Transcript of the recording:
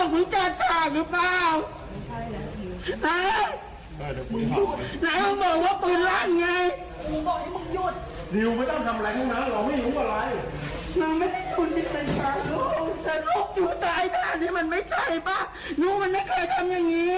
ลูกชายตายท่านี้มันไม่ใช่ป่ะลูกมันไม่เคยทำอย่างนี้อะไม่เลย